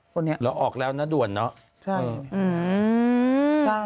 แล้วออกแล้วน่าด่วนเนอะใช่อืมอืม